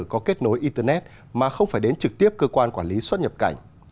có kết nối internet mà không phải đến trực tiếp cơ quan quản lý xuất nhập cảnh